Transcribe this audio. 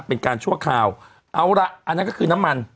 เป็นการชั่วคราวเอาละอันนั้นก็คือน้ำมัน